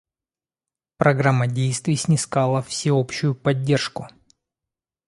Программа действий снискала всеобщую поддержку.